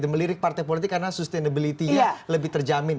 melirik partai politik karena sustainability nya lebih terjamin